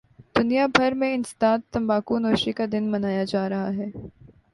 دنیا بھر میں انسداد تمباکو نوشی کا دن منایا جارہاہے